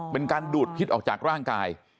เป็นการดูดพิษออกจากร่างกาย